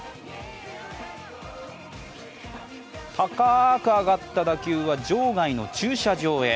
高ーく上がった打球は場外の駐車場へ。